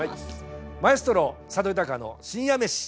「マエストロ佐渡裕の深夜メシ」